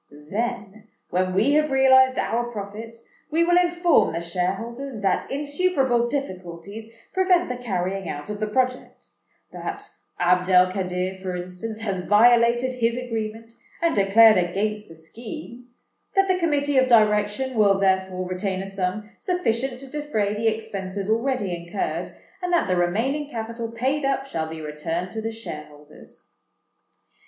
Then, when we have realized our profits, we will inform the shareholders that insuperable difficulties prevent the carrying out of the project,—that Abd el Kadir, for instance, has violated his agreement and declared against the scheme,—that the Committee of Direction will therefore retain a sum sufficient to defray the expenses already incurred, and that the remaining capital paid up shall be returned to the shareholders."